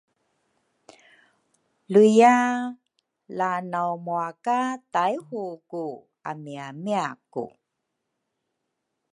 luiya la nawmua ka Taihuku amiamiaku.